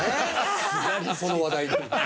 その話題に。